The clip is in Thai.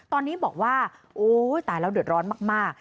ตอนนี้บอกว่าโอ๊ยตายแล้วเดือดร้อนมาก